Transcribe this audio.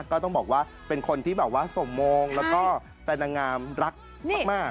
ก็ต้องบอกว่าเป็นคนที่แบบว่าสมมงแล้วก็แต่นางงามรักมาก